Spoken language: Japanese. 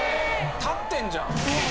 立ってんじゃん！